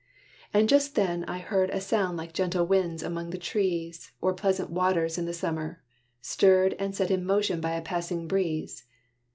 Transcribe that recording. And just then I heard A sound like gentle winds among the trees, Or pleasant waters in the Summer, stirred And set in motion by a passing breeze.